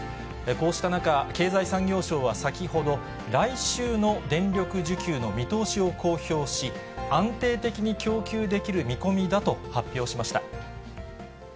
こうした中、経済産業省は先ほど、来週の電力需給の見通しを公表し、安定的に供給できる見込みだと発表しました。